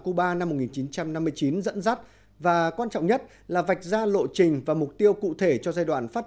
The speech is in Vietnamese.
cuba năm một nghìn chín trăm năm mươi chín dẫn dắt và quan trọng nhất là vạch ra lộ trình và mục tiêu cụ thể cho giai đoạn phát